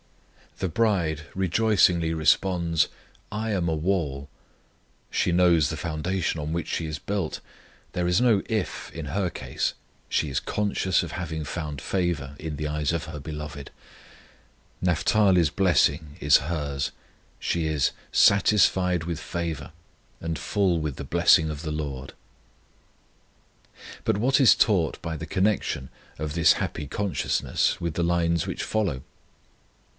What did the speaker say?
The bride rejoicingly responds, "I am a wall"; she knows the foundation on which she is built, there is no "if" in her case; she is conscious of having found favour in the eyes of her Beloved. Naphtali's blessing is hers: she is "satisfied with favour, and full with the blessing of the LORD." But what is taught by the connection of this happy consciousness with the lines which follow?